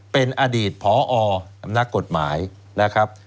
เป็นอดีตพอนักกฎหมายนะครับ